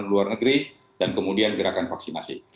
luar negeri dan kemudian gerakan vaksinasi